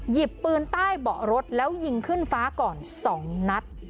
หยิบปืนใต้เบาะรถแล้วยิงขึ้นฟ้าก่อน๒นัด